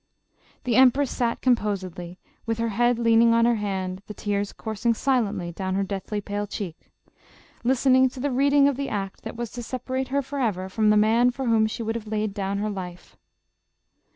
The em JOSEPHINE. 259 press sat composedly, with her head leaning on her hand, the tears coursing silently down her deathly pale cheek, listening to the reading of the Act that was to separate her forever from the man for whom she would have laid down her life.